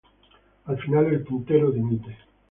Al final el puntero dimite.